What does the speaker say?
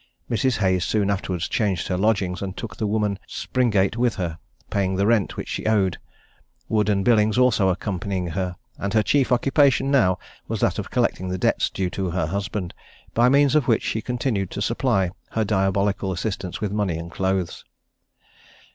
Mrs. Hayes soon afterwards changed her lodgings, and took the woman Springate with her, paying the rent which she owed, Wood and Billings also accompanying her; and her chief occupation now was that of collecting the debts due to her husband; by means of which she continued to supply her diabolical assistants with money and clothes.